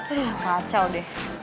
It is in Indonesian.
eh kacau deh